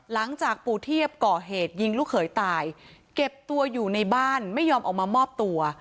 หลังจากปู่เทียบก่อเหตุยิงลูกเขยตายเก็บตัวอยู่ในบ้านไม่ยอมออกมามอบตัว